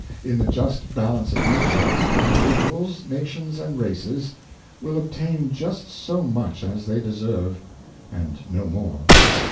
In the just balance of nature, individuals, nations, and races, will obtain just so much as they deserve, and no more.